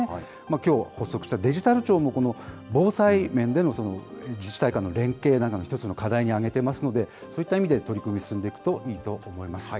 きょう発足したデジタル庁も、この防災面での自治体間の連携なども一つの課題に挙げていますので、そういった意味で取り組み、進んでいくといいと思います。